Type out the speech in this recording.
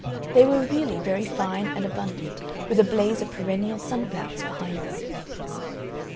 They were really very fine and abundant, with a blaze of perennial sunflowers behind them.